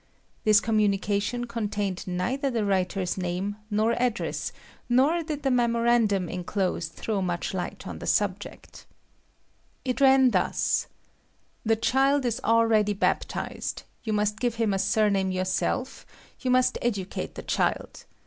This communication contained neither the writer's name nor address, nor did the memorandum enclosed throw much light on the subject. It ran thus: "The child is already baptized; you must give him a surname yourself; you must educate the child.